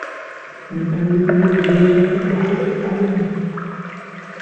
ومن آياته الجوار في البحر كالأعلام